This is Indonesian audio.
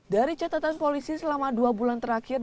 dari catatan polisi selama dua bulan terakhir